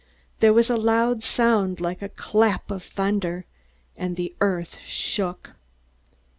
There was a loud sound like a clap of thunder, and the earth shook.